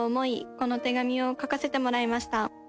この手紙をかかせてもらいました。